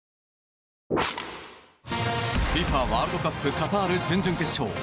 ＦＩＦＡワールドカップカタール準々決勝。